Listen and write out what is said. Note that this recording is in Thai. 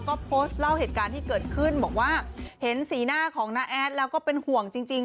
ก็โพสต์เล่าเหตุการณ์ที่เกิดขึ้นบอกว่าเห็นสีหน้าของน้าแอดแล้วก็เป็นห่วงจริง